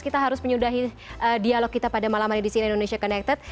kita harus menyudahi dialog kita pada malam hari di sina indonesia connected